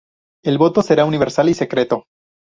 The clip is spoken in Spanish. El voto será universal y secreto.